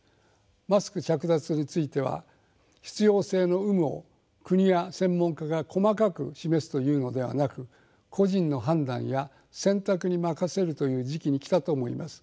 マスク着脱については必要性の有無を国や専門家が細かく示すというのではなく個人の判断や選択に任せるという時期に来たと思います。